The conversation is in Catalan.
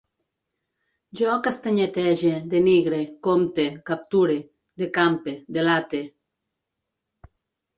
Jo castanyetege, denigre, compte, capture, decampe, delate